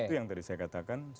itu yang tadi saya katakan